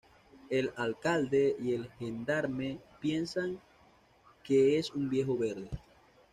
El alcalde y el gendarme piensan que es un viejo verde.